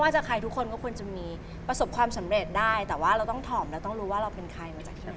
จ๊ะพาพี่เข้าวงการมูหน่อย